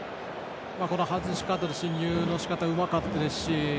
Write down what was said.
外し方と進入のしかたうまかったですし